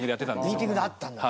ミーティングであったんだ。